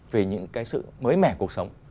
về những cái sự mới mẻ cuộc sống